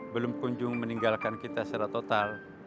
belum kunjung meninggalkan kita secara total